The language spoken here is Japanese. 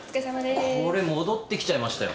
これ戻って来ちゃいましたよ。